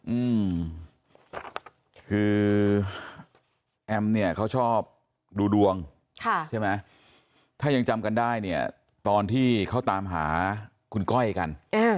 อืมคือแอมเนี่ยเขาชอบดูดวงค่ะใช่ไหมถ้ายังจำกันได้เนี่ยตอนที่เขาตามหาคุณก้อยกัน